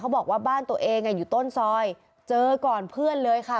บอกว่าบ้านตัวเองอยู่ต้นซอยเจอก่อนเพื่อนเลยค่ะ